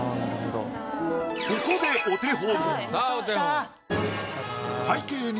ここでお手本。